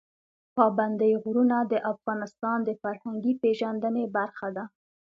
پابندی غرونه د افغانانو د فرهنګي پیژندنې برخه ده.